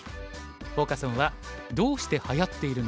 フォーカス・オンは「どうしてはやっているの！？